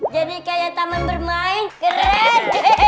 jadi kayak taman bermain keren